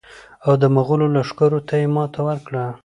او د مغولو لښکرو ته یې ماته ورکړه.